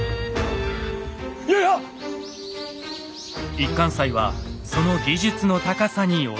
一貫斎はその技術の高さに驚きます。